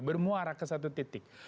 bermuara ke satu titik